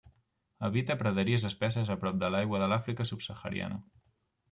Habita praderies espesses a prop de l'aigua de l'Àfrica subsahariana.